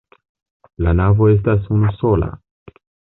La navo estas unusola.